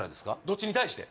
どっちに対して？